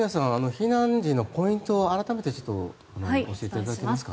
避難時のポイントを改めて教えていただけますか。